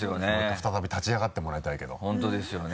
再び立ち上がってもらいたいけど本当ですよね。